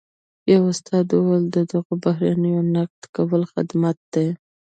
یوه استاد وویل د دغو بهیرونو نقد کول خدمت دی.